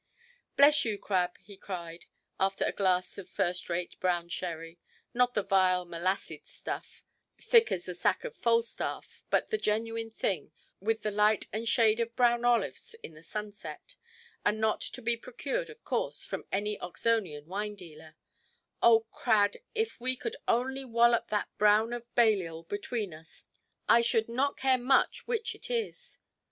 "Bless you, Crad", he cried, after a glass of first–rate brown sherry—not the vile molassied stuff, thick as the sack of Falstaff, but the genuine thing, with the light and shade of brown olives in the sunset, and not to be procured, of course, from any Oxonian wine–dealer;—"oh, Crad, if we could only wallop that Brown, of Balliol, between us, I should not care much which it was.